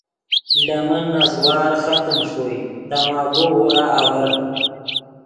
لے من نسوار ختم ݰوئے تماکو غورا آڤر